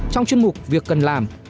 trong chuyên mục việc cần làm